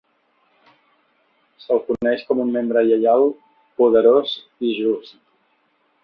Se'l coneix com un membre lleial, poderós i just.